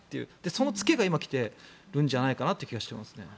その付けが今、来てるんじゃないかなという気がしています。